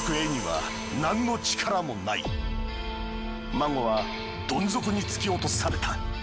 ＭＡＧＯはどん底に突き落とされた。